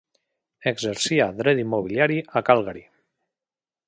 Exercia dret immobiliari a Calgary.